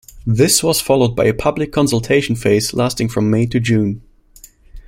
This was followed by a public consultation phase lasting from May to June.